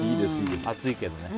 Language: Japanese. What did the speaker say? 暑いけどね。